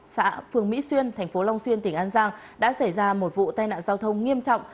xã phường mỹ xuyên thành phố long xuyên tỉnh an giang đã xảy ra một vụ tai nạn giao thông nghiêm trọng